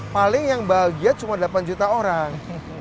paling yang bahagia cuma delapan juta orang